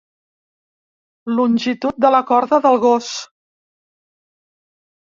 Longitud de la corda del gos.